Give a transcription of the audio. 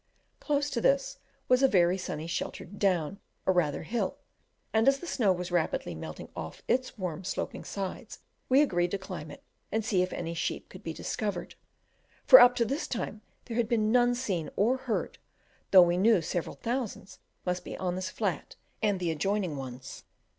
Close to this was a very sunny sheltered down, or rather hill; and as the snow was rapidly melting off its warm sloping sides we agreed to climb it and see if any sheep could be discovered, for up to this time there had been none seen or heard, though we knew several thousands must be on this flat and the adjoining ones.